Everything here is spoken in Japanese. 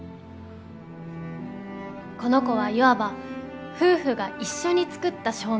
この子はいわば夫婦が一緒に作った照明。